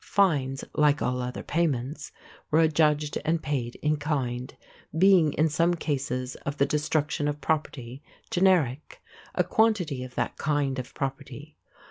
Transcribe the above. Fines, like all other payments, were adjudged and paid in kind, being, in some cases of the destruction of property, generic a quantity of that kind of property.